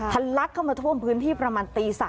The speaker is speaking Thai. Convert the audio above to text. ลักเข้ามาท่วมพื้นที่ประมาณตี๓